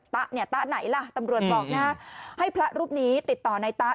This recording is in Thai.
ตะเนี่ยตะไหนล่ะตำรวจบอกนะฮะให้พระรูปนี้ติดต่อนายตะ